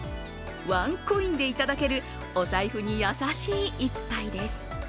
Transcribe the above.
ワンコインでいただけるお財布に優しい１杯です。